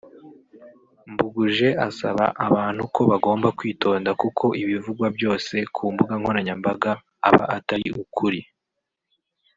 Mbuguje asaba abantu ko bagomba kwitonda kuko ibivugwa byose ku mbuga nkoranyambaga aba atari ukuri